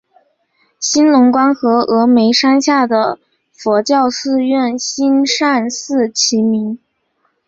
兴隆观和峨嵋山下的佛教寺院兴善寺齐名。